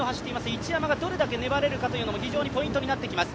一山がどれだけ粘れるかも非常にポイントになってきます。